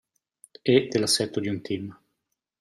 E dell'assetto di un team.